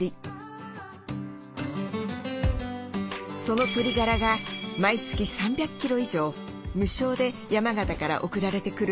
その鶏ガラが毎月３００キロ以上無償で山形から送られてくるんです。